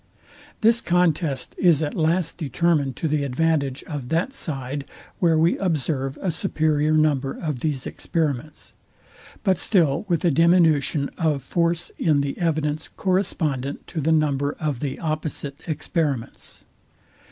This contest is at last determined to the advantage of that side, where we observe a superior number of these experiments; but still with a diminution of force in the evidence correspondent to the number of the opposite experiments.